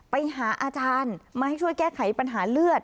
ไปหาอาจารย์มาให้ช่วยแก้ไขปัญหาเลือด